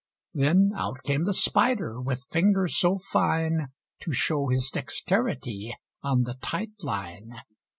Then out came the Spider, with finger so fine, To show his dexterity on the tight line.